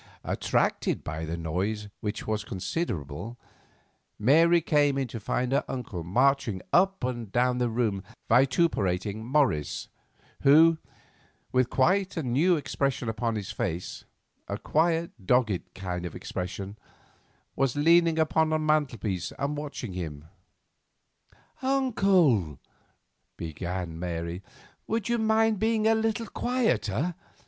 Attracted by the noise, which was considerable, Mary came in to find her uncle marching up and down the room vituperating Morris, who, with quite a new expression upon his face—a quiet, dogged kind of expression—was leaning upon the mantel piece and watching him. "Uncle," began Mary, "would you mind being a little quieter?